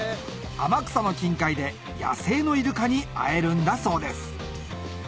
天草の近海で野生のイルカに会えるんだそうです